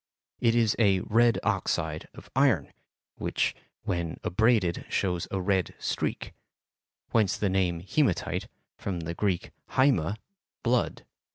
It is a red oxide of iron, which when abraded shows a red streak; whence the name hematite, from the Greek haima, "blood."